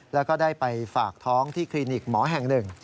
แล้วก็ได้ไปฝากท้องที่คลินิกหมอแห่งหนึ่ง